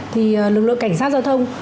thì lực lượng cảnh sát giao thông